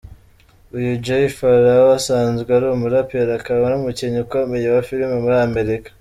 Uyu Jay Pharoah asanzwe ari umuraperi akaba n’umukinnyi ukomeye wa film muri Amerika.